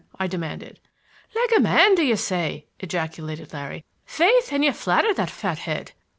I demanded. "Like a man, do you say!" ejaculated Larry. "Faith and you flatter that fat head!"